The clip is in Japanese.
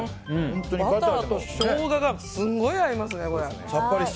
バターとショウガがすごい合いますね。